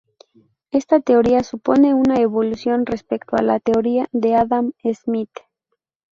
Esta teoría supone una evolución respecto a la teoría de Adam Smith.